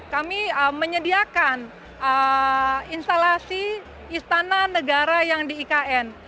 kami menyediakan instalasi istana negara yang di ikn